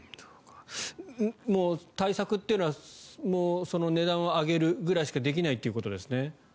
対策というのは値段を上げるくらいしかできないということですね。